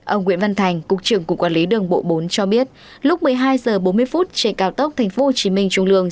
ông nguyễn văn thành cục trưởng cục quản lý đường bộ bốn cho biết lúc một mươi hai h bốn mươi trên cao tốc tp hcm trung lương